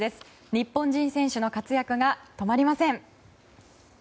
日本人選手の活躍が止まりません。